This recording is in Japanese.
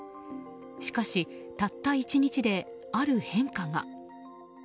しかし、たった１日である変化が。